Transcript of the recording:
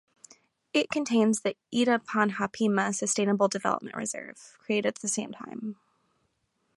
It contains the Itapanhapima Sustainable Development Reserve, created at the same time.